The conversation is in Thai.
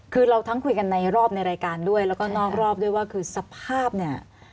คือเราทั้งคุยกันในรอบในรายการด้วยแล้วก็นอกรอบด้วยว่าคือสภาพเนี่ย